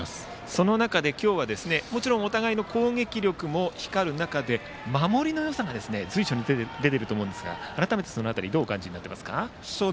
その中で今日は、もちろんお互いの攻撃力も光る中で守りのよさが随所に出ていると思いますが改めてその辺りどうお感じになっていますか？